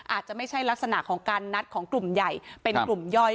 อาจจะไม่ใช่ลักษณะของการนัดของกลุ่มใหญ่เป็นกลุ่มย่อย